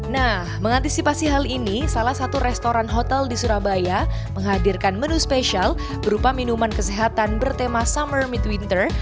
nah mengantisipasi hal ini salah satu restoran hotel di surabaya menghadirkan menu spesial berupa minuman kesehatan bertema summer mid winter